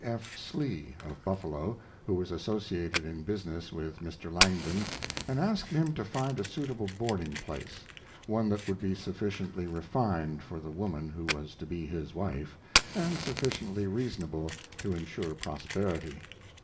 D. F. Slee, of Buffalo, who was associated in business with Mr. Langdon, and asked him to find a suitable boarding place, one that would be sufficiently refined for the woman who was to be his wife, and sufficiently reasonable to insure prosperity.